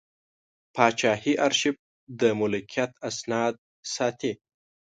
پاچاهي ارشیف د ملکیت اسناد ساتي.